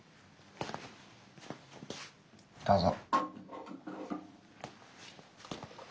どうぞ。